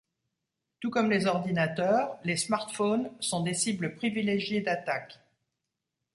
Tout comme les ordinateurs, les smartphones sont des cibles privilégiées d'attaques.